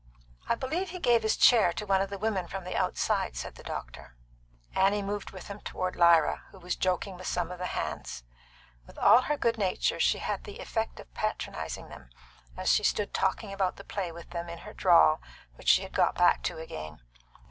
"I believe he gave his chair to one of the women from the outside," said the doctor. Annie moved with him toward Lyra, who was joking with some of the hands. With all her good nature, she had the effect of patronising them, as she stood talking about the play with them in her drawl, which she had got back to again.